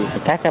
các bạn đồng ý